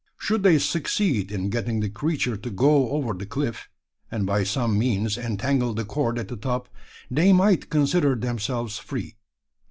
Should they succeed in getting the creature to go over the cliff and by some means entangle the cord at the top they might consider themselves free.